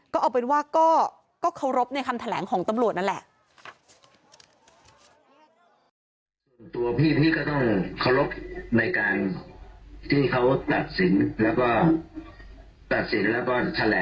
ก็เอาเป็นว่าก็เคารพในคำแถลงของตำรวจนั่นแหละ